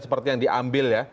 seperti yang diambil ya